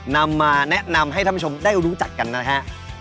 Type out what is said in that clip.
นำมาแนะนำให้ท่านผู้ชมได้รู้จักกันนะฮะ